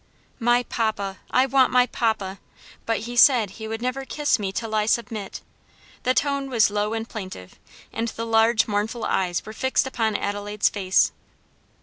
"My papa I want my papa; but he said he would never kiss me till I submit;" the tone was low and plaintive, and the large mournful eyes were fixed upon Adelaide's face.